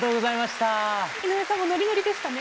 井上さんもノリノリでしたね。